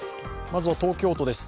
まずは東京都です。